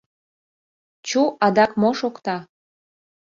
Чу, адак мо шокта?